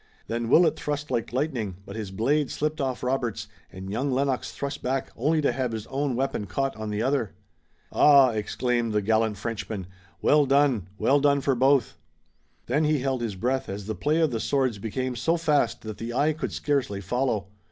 Then Willet thrust like lightning, but his blade slipped off Robert's, and young Lennox thrust back only to have his own weapon caught on the other. "Ah," exclaimed the gallant Frenchman. "Well done! Well done for both!" Then he held his breath as the play of the swords became so fast that the eye could scarcely follow.